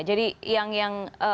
jadi yang objeknya